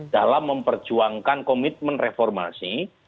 dalam memperjuangkan komitmen reformasi